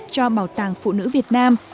cho bảo tàng phụ nữ việt nam